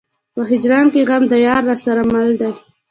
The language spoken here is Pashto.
په هجران کې غم د يار راسره مل دی.